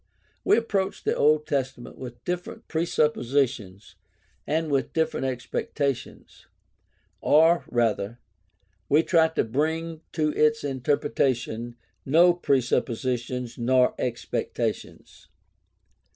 We approach the Old Testa ment with different presuppositions and with different expectations; or, rather, we try to bring to its interpretation no presuppositions nor expectations.